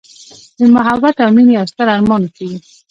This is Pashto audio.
د محبت او میینې یوستر ارمان اوسیږې